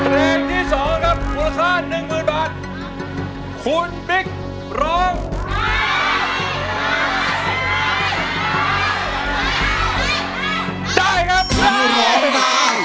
โทษใจโทษใจโทษใจโทษใจ